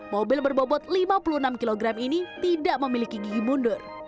mobil berbobot lima puluh enam kg ini tidak memiliki gigi mundur